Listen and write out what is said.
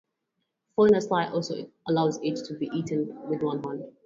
Folding the slice also allows it to be eaten with one hand.